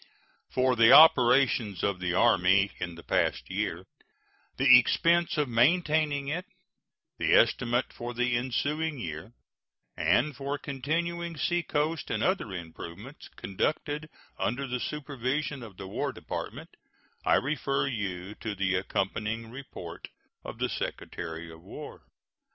For the operations of the Army in the past year, the expense of maintaining it, the estimate for the ensuing year, and for continuing seacoast and other improvements conducted under the supervision of the War Department, I refer you to the accompanying report of the Secretary of War.